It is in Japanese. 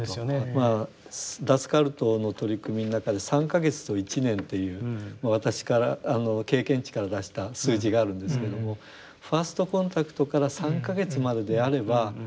まあ脱カルトの取り組みの中で３か月と１年っていう私から経験値から出した数字があるんですけどもファーストコンタクトから３か月までであればほぼ１００％。